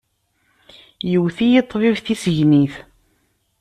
Iwet-iyi ṭṭbib tissegnit.